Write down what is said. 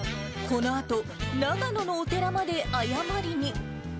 このあと、長野のお寺まで謝りに。